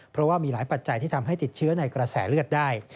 เพราะว่ามีหลายปัจจัยที่ทำให้ติดเชื้อในกระแสเลือดได้